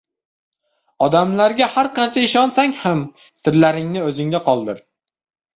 Odamlarga har qancha ishonsang ham sirlaringni o‘zingda qoldir!